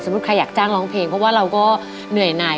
ใครอยากจ้างร้องเพลงเพราะว่าเราก็เหนื่อยหน่าย